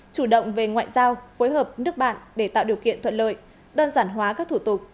chủ động về ngoại giao phối hợp nước bạn để tạo điều kiện thuận lợi đơn giản hóa các thủ tục